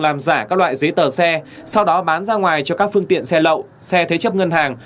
làm giả các loại giấy tờ xe sau đó bán ra ngoài cho các phương tiện xe lậu xe thế chấp ngân hàng